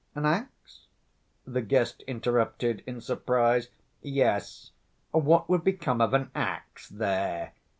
"An ax?" the guest interrupted in surprise. "Yes, what would become of an ax there?"